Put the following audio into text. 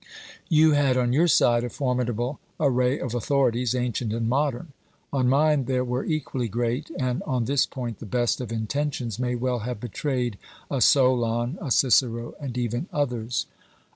You had on your side a formidable array of authorities, ancient and modern ; on mine there were equally great, and on this point the best of intentions may well have betrayed a Solon, a Cicero and even others.